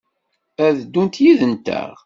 Ad d-ddunt yid-nteɣ?